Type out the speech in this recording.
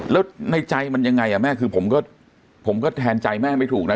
แล้วในใจมันยังไงแม่คือผมก็ผมก็แทนใจแม่ไม่ถูกนะ